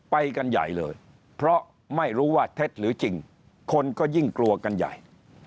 ไปกันใหญ่เลยเพราะไม่รู้ว่าเท็จหรือจริงคนก็ยิ่งกลัวกันใหญ่